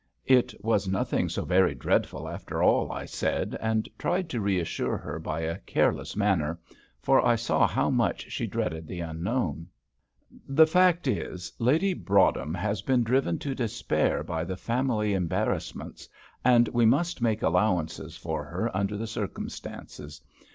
"It was nothing so very dreadful after all," I said, and tried to reassure her by a careless manner for I saw how much she dreaded the unknown. "The fact is, Lady Broadhem has been driven to despair by the family embarrassments, and we must make allowances for her under the circumstances.